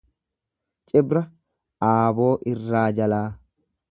Cibra aaboo irraa jalaa.